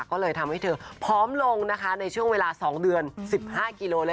ก็เลยทำให้เธอพร้อมลงนะคะในช่วงเวลาสองเดือนสิบห้ากิโลเลยละค่ะ